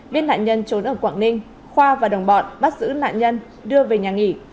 biết nạn nhân trốn ở quảng ninh khoa và đồng bọn bắt giữ nạn nhân đưa về nhà nghỉ